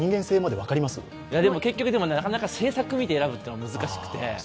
結局、なかなか政策を見て選ぶというのは難しくて。